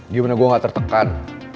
gimana gue gak tertekan